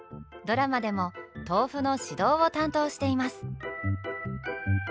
ドラマでも豆腐の指導を担当しています。